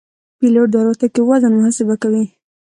پیلوټ د الوتکې وزن محاسبه کوي.